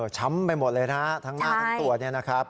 ช้ำไปหมดเลยนะทั้งหน้าทั้งตัวนี้นะครับ